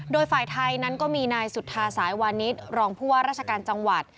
โดยฝ่ายไทยนั้นก็มีนายสุธาสายวานิสรองผู้ว่าราชการจังหวัด